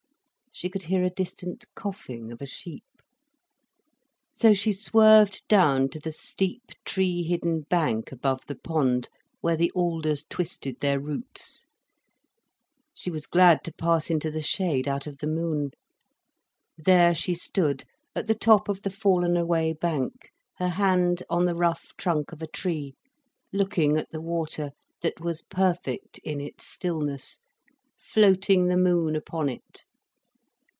She could hear a distant coughing of a sheep. So she swerved down to the steep, tree hidden bank above the pond, where the alders twisted their roots. She was glad to pass into the shade out of the moon. There she stood, at the top of the fallen away bank, her hand on the rough trunk of a tree, looking at the water, that was perfect in its stillness, floating the moon upon it.